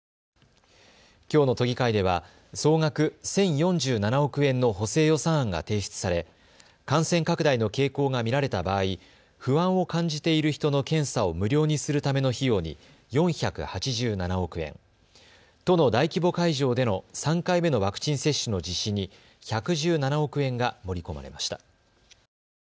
きょうの都議会では総額１０４７億円の補正予算案が提出され感染拡大の傾向が見られた場合、不安を感じている人の検査を無料にするための費用に４８７億円、都の大規模会場での３回目のワクチン接種の実施に１１７億円が盛り込まれました。